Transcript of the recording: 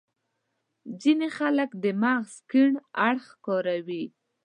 ځينې خلک د مغز کڼ اړخ کاروي.